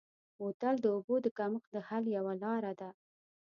بوتل د اوبو د کمښت د حل یوه لاره ده.